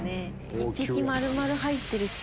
１匹丸々入ってるし。